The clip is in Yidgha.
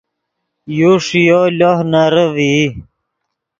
یو ݰییو لوہ نرے ڤئی